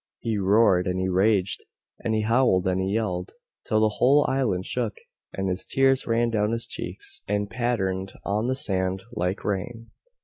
He roared and he raged, and he howled and he yelled, till the whole island shook, and his tears ran down his cheeks and pattered on the sand like rain.